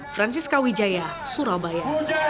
francis kawijaya surabaya